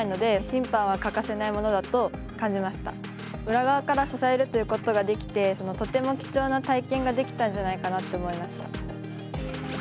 裏側から支えるということができてとても貴重な体験ができたんじゃないかなと思いました。